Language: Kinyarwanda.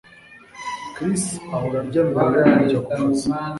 Chris ahora arya mbere yo kujya kukazi